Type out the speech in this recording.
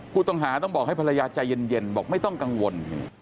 ผู้ต้องหาต้องบอกให้ภรรยาใจเย็นบอกไม่ต้องกังวล